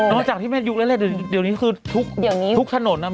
นอกจากที่แม่ยุคเรื่อยเดี๋ยวนี้คือทุกทุกถนนนะ